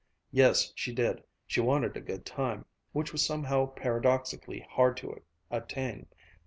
Yes, she did, she wanted a good time, which was somehow paradoxically hard to attain.